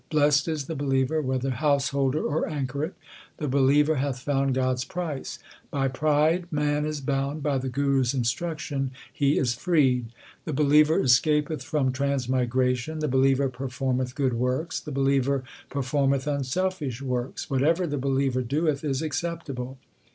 Blest is the believer, whether householder or anchoret ; the believer hath found God s price. By pride man is bound ; by the Guru s instruction he is freed. The believer escapeth from transmigration. The believer performeth good works ; the believer per formeth unselfish works ; whatever the believer doeth is acceptable.